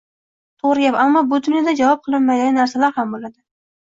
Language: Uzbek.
To’g’ri gap, ammo bu dunyoda javob qilinmaydigan narsalar ham bo’ladi.